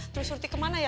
terus surti kemana ya